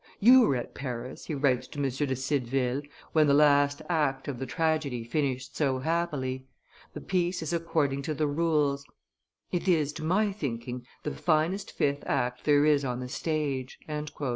"You were at Paris," he writes to M. de Cideville, "when the last act of the tragedy finished so happily. The piece is according to the rules; it is, to my thinking, the finest fifth act there is on the stage."